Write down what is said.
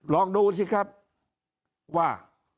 ลองดูสิครับว่า